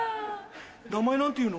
名前何ていうの？